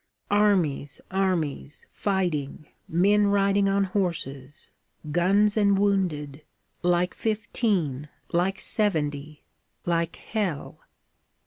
Armies, armies, fighting, men riding on horses, guns and wounded like '15, like '70, like Hell.